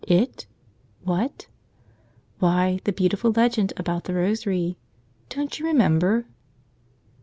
It? What? Why, the beautiful legend about the rosary. Don't you remember?